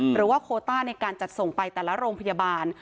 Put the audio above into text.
หรือว่าโคต้าในการจัดส่งไปแต่ละโรงพยาบาล